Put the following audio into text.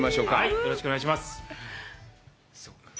よろしくお願いします。